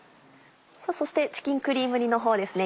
そしてチキンクリーム煮の方ですね